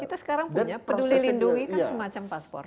kita sekarang punya peduli lindungi kan semacam paspor